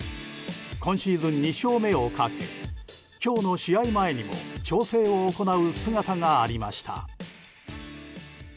今シーズン２勝目をかけ今日の試合前にも調整を行う姿がありました。